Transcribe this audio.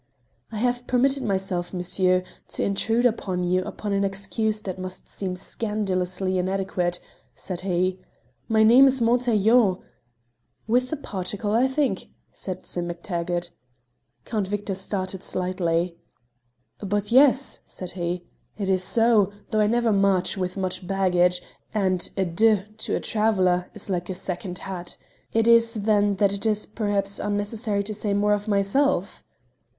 "I have permitted myself, monsieur, to intrude upon you upon an excuse that must seem scandalously inadequate," said he. "My name is Montaiglon " "With the particle, I think?" said Sim MacTaggart. Count Victor started slightly. "But yes," said he, "it is so, though I never march with much baggage, and a De to a traveller is like a second hat. It is, then, that it is perhaps unnecessary to say more of myself?"